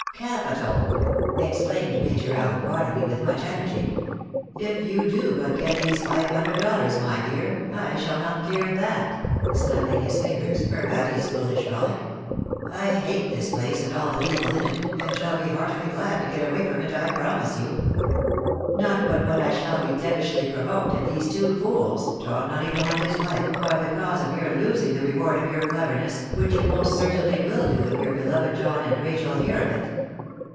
Capital!" exclaimed Major Allen Barnaby, with much energy. " If you do but get these five hundred dollars, my dear, I shall not care that (snapping his fingers) for Patty's foolish frolic. I hate this place, and all the people in it, and shall be heartily glad to get away from it, I promise you. ISTot but what I shall be devilishly provoked if these two fools, Tornorino and his wife, are the cause of your losing the reward of your cleverness, which you most certainly will do if your beloved John and Rachel hear of it."